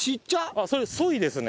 それソイですね。